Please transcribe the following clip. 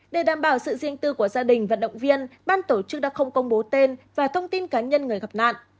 để đảm bảo sự riêng tư của gia đình vận động viên ban tổ chức đã không công bố tên và thông tin cá nhân người gặp nạn